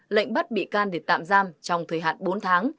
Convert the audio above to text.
lệnh bắt bị can để tạm giam trong thời hạn bốn tháng